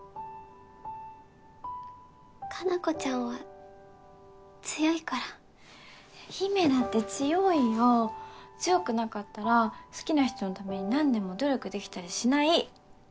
加奈子ちゃんは強いから陽芽だって強いよ強くなかったら好きな人のために何年も努力できたりしない！